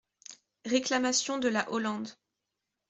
Réclamation de la Hollande.